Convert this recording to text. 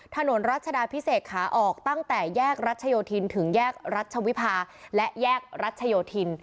ถนนรัชดาพิเศษขาออกตั้งแต่แยกรัชโยธินถึงแยกรัชวิภาและแยกรัชโยธิน